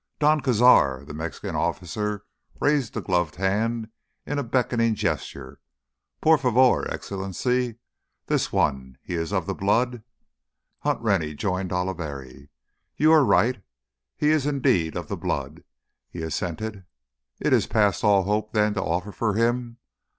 "Don Cazar"—the Mexican officer raised a gloved hand in a beckoning gesture—"por favor, Excellency ... this one, he is of the Blood?" Hunt Rennie joined Oliveri. "You are right. He is indeed of the Blood," he assented. "It is past all hope then to offer for him?"